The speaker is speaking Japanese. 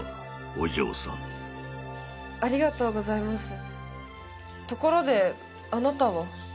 お嬢さんありがとうございますところであなたは？